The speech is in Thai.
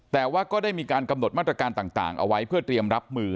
แต่ว่าก็ได้มีการกำหนดมาตรการต่างเอาไว้เพื่อเตรียมรับมือ